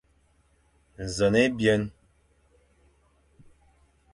Nẑen ébyen.